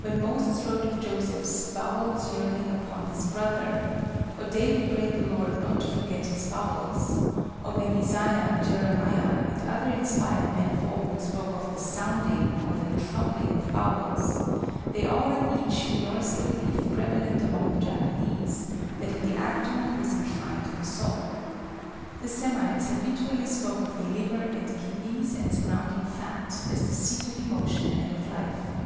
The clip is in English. When Moses wrote of Joseph's "bowels yearning upon his brother," or David prayed the Lord not to forget his bowels, or when Isaiah, Jeremiah and other inspired men of old spoke of the "sounding" or the "troubling" of bowels, they all and each endorsed the belief prevalent among the Japanese that in the abdomen was enshrined the soul. The Semites habitually spoke of the liver and kidneys and surrounding fat as the seat of emotion and of life.